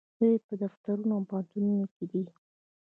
دوی په دفترونو او پوهنتونونو کې دي.